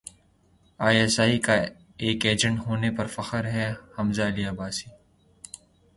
I S I کا agent ہونے پر فخر ہے حمزہ علی عباسی